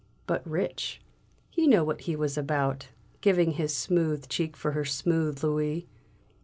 But rich he knew what he was about, giving his smooth cheek for her smooth louis!"